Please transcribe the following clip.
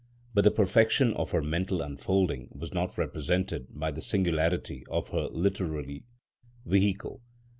But the perfection of her mental unfolding was not represented by the singularity of her literary vehicle.